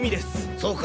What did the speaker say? そうか。